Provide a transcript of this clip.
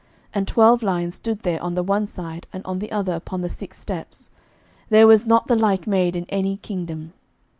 11:010:020 And twelve lions stood there on the one side and on the other upon the six steps: there was not the like made in any kingdom.